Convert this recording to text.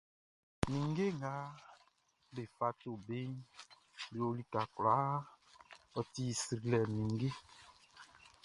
Ninnge nga be fa to beʼn be o lika kwlaa, ɔ ti srilɛ like!